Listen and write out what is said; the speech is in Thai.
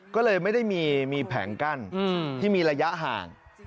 ก็เลยไม่ได้มีแผงกั้นที่มีระยะห่าง